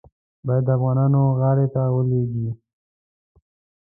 باید د افغانانو غاړې ته ولوېږي.